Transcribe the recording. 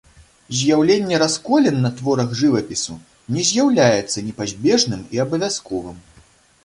З'яўленне расколін на творах жывапісу не з'яўляецца непазбежным і абавязковым.